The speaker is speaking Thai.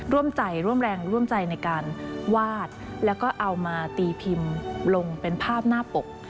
ร่วมใจร่วมแรงร่วมใจในการวาดแล้วก็เอามาตีพิมพ์ลงเป็นภาพหน้าปก